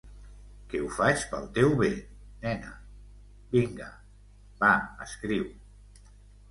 Que ho faig pel teu bé, nena... vinga, va, escriu.